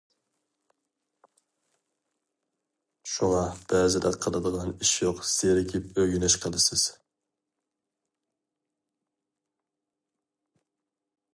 شۇڭا بەزىدە قىلىدىغان ئىش يوق زېرىكىپ ئۆگىنىش قىلىسىز.